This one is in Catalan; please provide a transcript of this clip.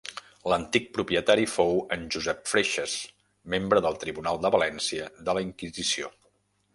L'antic propietari fou en Josep Freixes, membre del tribunal de València de la Inquisició.